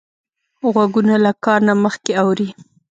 غوږونه له کار نه مخکې اوري